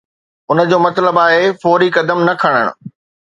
ان جو مطلب آهي فوري قدم نه کڻڻ.